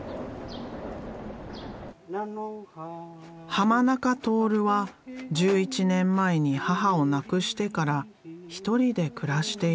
濱中徹は１１年前に母を亡くしてから一人で暮らしている。